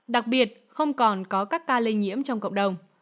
đặc biệt không còn có các ca lây nhiễm trong cộng đồng